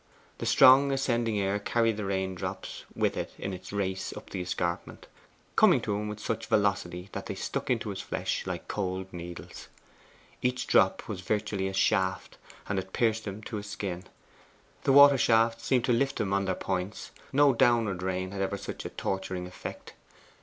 The strong ascending air carried the rain drops with it in its race up the escarpment, coming to him with such velocity that they stuck into his flesh like cold needles. Each drop was virtually a shaft, and it pierced him to his skin. The water shafts seemed to lift him on their points: no downward rain ever had such a torturing effect.